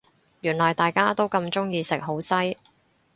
原來大家都咁鍾意食好西